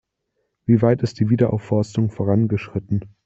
Wie weit ist die Wiederaufforstung vorangeschritten?